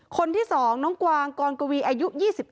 คนที่๒น้องกวางกรกวีอายุ๒๙